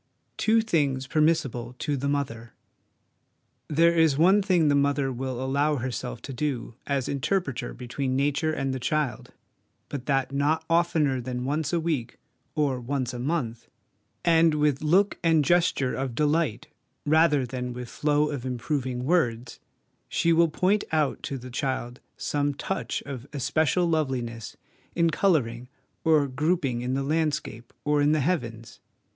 l Two Things permissible to the Mother. There is one thing the mother will allow herself to do as interpreter between Nature and the child, but that not oftener than once a week or once a month, and with look and gesture of delight rather than with flow of improving words she will point out to the child some touch of especial loveliness in colouring or grouping in the landscape or in the heavens.